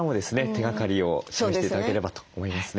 手がかりを示して頂ければと思いますね。